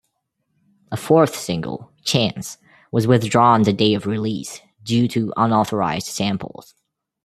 A fourth single, "Chance" was withdrawn the day of release due to unauthorised samples.